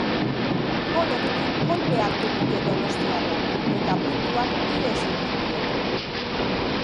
Gol honekin kolpea hartu dute donostiarrek eta puntuak ihes egin diete.